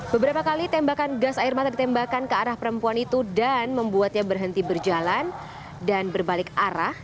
beberapa kali tembakan gas air mata ditembakkan ke arah perempuan itu dan membuatnya berhenti berjalan dan berbalik arah